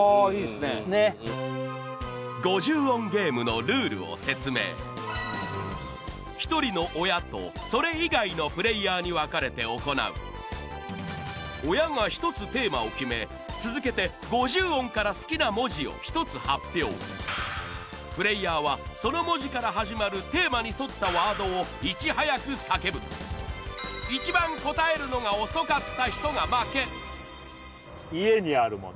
ねっ五十音ゲームのルールを説明１人の親とそれ以外のプレイヤーに分かれて行う親が１つテーマを決め続けてプレイヤーはその文字から始まるテーマに沿ったワードをいちはやく叫ぶ一番答えるのが遅かった人が負け家にあるもの